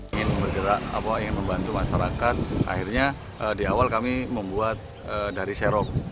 ingin bergerak ingin membantu masyarakat akhirnya di awal kami membuat dari serok